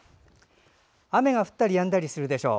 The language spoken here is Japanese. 雨が降ったりやんだりするでしょう。